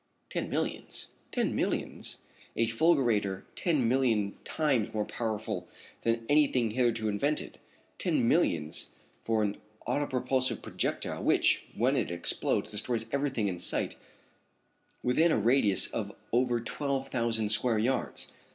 "Ten millions! Ten millions! A fulgurator ten million times more powerful than anything hitherto invented! Ten millions for an autopropulsive projectile which, when it explodes, destroys everything in sight within a radius of over twelve thousand square yards!